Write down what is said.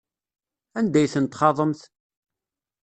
Anda ay tent-txaḍemt?